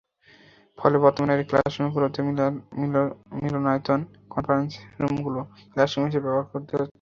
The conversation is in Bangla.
ফলে বর্তমানে ক্লাসরুমের পরিবর্তে মিলনায়তন, কনফারেন্স রুমগুলো ক্লাসরুম হিসেবে ব্যবহার করতে হচ্ছে।